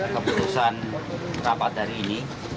keputusan rapat dari ini